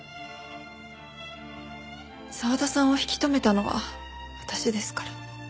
澤田さんを引き留めたのは私ですから。